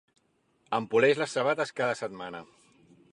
Em poleix les sabates cada setmana.